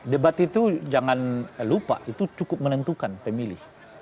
debat itu jangan lupa itu cukup menentukan pemilih